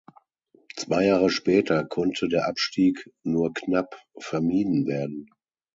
Zwei Jahre später konnte der Abstieg nur knapp vermieden werden.